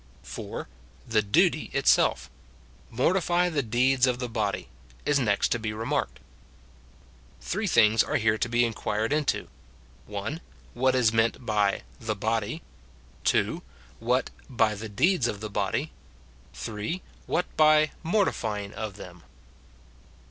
4. The duty itself, "Mortify the deeds of the body," is next to be remarked. Three things are here to be inquired into :— (1.) What is meant by the body ; (2.) What by the deeds of the hody ; (3.) What by mortifying of them.